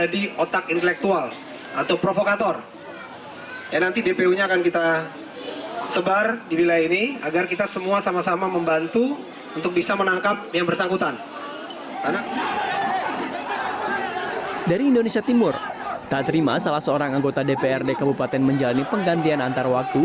diterima salah seorang anggota dprd kabupaten menjalani penggantian antar waktu